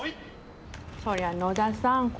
そりゃ野田さん